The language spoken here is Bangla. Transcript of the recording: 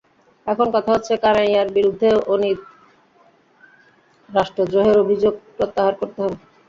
এখন কথা হচ্ছে, কানাইয়ার বিরুদ্ধে আনীত রাষ্ট্রদ্রোহের অভিযোগ প্রত্যাহার করতে হবে।